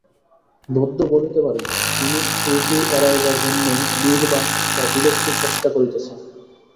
বৌদ্ধ বলিতে পারেন, তিনি এইটি এড়াইবার জন্যই নির্বাণ বা বিলুপ্তির চেষ্টা করিতেছেন।